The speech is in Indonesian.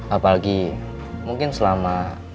apalagi mungkin selama